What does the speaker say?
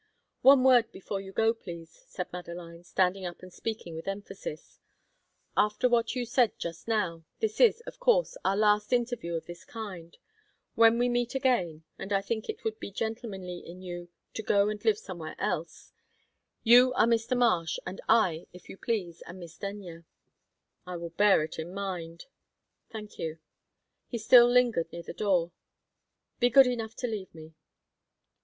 "One word before you go, please," said Madeline, standing up and speaking with emphasis. "After what you said just now, this is, of course, our last interview of this kind. When we meet again and I think it would be gentlemanly in you to go and live somewhere else you are Mr. Marsh, and I, if you please, am Miss Denyer." "I will bear it in mind." "Thank you." He still lingered near the door. "Be good enough to leave me."